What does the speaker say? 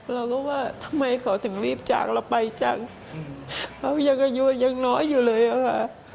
เราก็ว่าทำไมเขาถึงรีบจากเราไปจังเรายังอายุยังน้อยอยู่เลยอะค่ะ